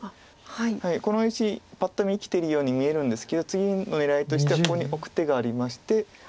この石パッと見生きてるように見えるんですけど次の狙いとしてはここにオク手がありまして。